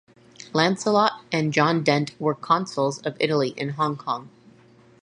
Lancelot and John Dent were consuls of Italy in Hong Kong.